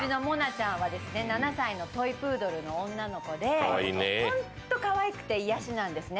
ちゃんは７歳のトイプードルの女の子でホンットかわいくて癒やしなんですね。